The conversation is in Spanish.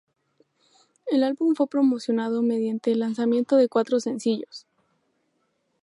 El álbum fue promocionado mediante el lanzamiento de cuatro sencillos.